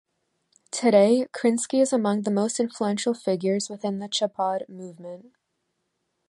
Today, Krinsky is among the most influential figures within the Chabad movement.